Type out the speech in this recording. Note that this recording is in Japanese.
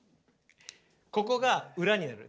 ここが裏になる。